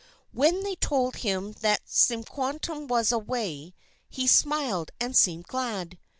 When they told him that Tisquantum was away, he smiled and seemed glad.